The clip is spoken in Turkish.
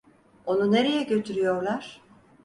Onu nereye götürüyorlar?